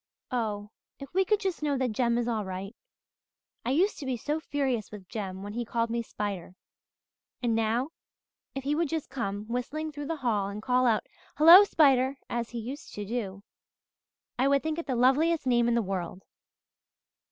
Oh, if we could just know that Jem is all right! I used to be so furious with Jem when he called me Spider. And now, if he would just come whistling through the hall and call out, 'Hello, Spider,' as he used to do, I would think it the loveliest name in the world."